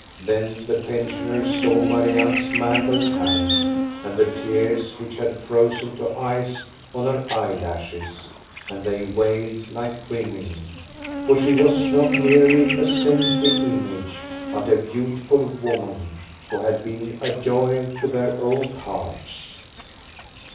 Then the pensioners saw Marianne's mangled hands, and the tears which had frozen to ice on her eyelashes, and they wailed like women, for she was not merely a saintly image, but a beautiful woman, who had been a joy to their old hearts.